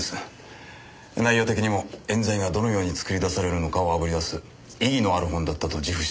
内容的にも冤罪がどのように作り出されるのかをあぶり出す意義のある本だったと自負してます。